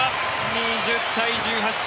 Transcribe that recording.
２０対１８。